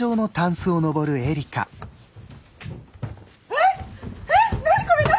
えっ！？